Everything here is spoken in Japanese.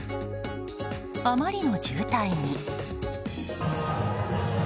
あまりの渋滞に。